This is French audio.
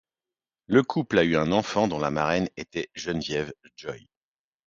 Le couple a eu un enfant dont la marraine était Geneviève Joy.